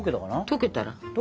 溶けたら。